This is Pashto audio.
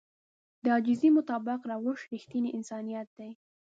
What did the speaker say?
د عاجزي مطابق روش رښتينی انسانيت دی.